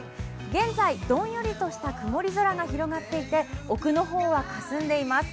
今朝どんよりとした曇り空が広がっていて、奥の方はかすんでいます。